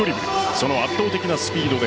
その圧倒的なスピードで